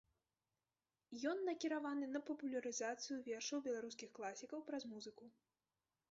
Ён накіраваны на папулярызацыю вершаў беларускіх класікаў праз музыку.